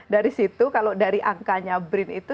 dari situ kalau dari angkanya brin itu